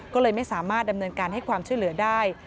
ก็เลยไม่สามารถดำเนินการให้ความช่วยเหลือได้